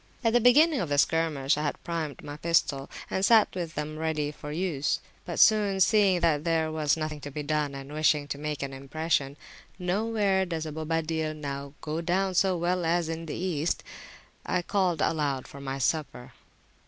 At the beginning of the skirmish I had primed my pistols, and sat with them ready for use. But soon seeing that there was nothing to be done, and wishing to make an impression, nowhere does Bobadil now go down so well as in the East,I called aloud for my supper.